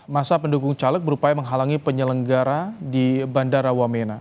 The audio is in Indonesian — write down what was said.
masa pendukung caleg berupaya menghalangi penyelenggara di bandara wamena